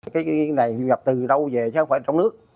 cái này gặp từ đâu về chứ không phải trong nước